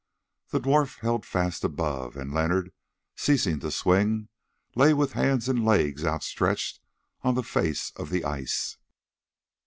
The dwarf held fast above, and Leonard, ceasing to swing, lay with hands and legs outstretched on the face of the ice.